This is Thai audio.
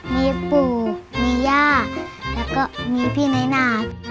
มีปู่มีย่าแล้วก็มีพี่น้อยนา